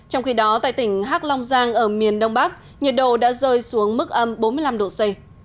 trong khi đó tại tỉnh hắc long giang ở miền đông bắc nhiệt độ đã rơi xuống mức ấm bốn mươi năm độ c